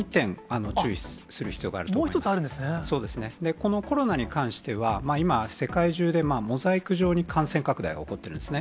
このコロナに関しては、今、世界中でモザイク状に感染拡大が起こってるんですね。